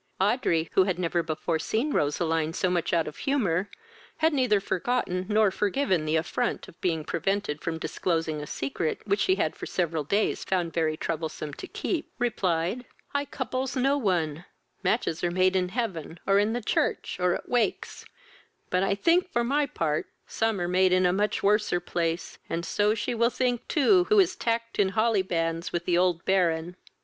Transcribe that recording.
Audrey, who had never before seen Roseline so much out of humour, and had neither forgotten nor forgiven the affront of being prevented from disclosing a secret which she had for several days found very troublesome to keep, replied, "I couples no one; matches are made in heaven, or in the church, or at wakes; but I think, for my part, some are made in a much worser place, and so she will think too who is tacked in hollybands with the old Baron."